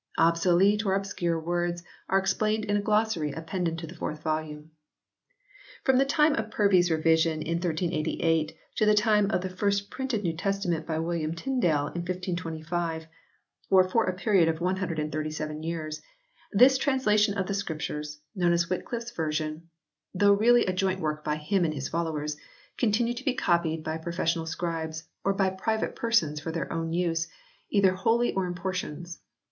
Obsolete or obscure words are explained in a glossary appended to the fourth volume. From the time of Purvey s Revision in 1388 to the time of the first printed New Testament by William Tyndale in 1525, or for a period of 137 years, this translation of the Scriptures, known as Wyclifte s n] WYCLIFFE S MANUSCRIPT BIBLE 25 version, though really a joint work by him and his followers, continued to be copied by professional scribes, or by private persons for their own use, either wholly or in portions.